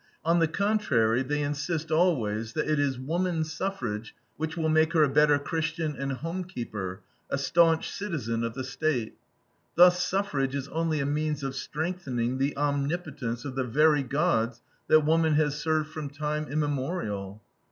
On the contrary, they insist always that it is woman suffrage which will make her a better Christian and homekeeper, a staunch citizen of the State. Thus suffrage is only a means of strengthening the omnipotence of the very Gods that woman has served from time immemorial.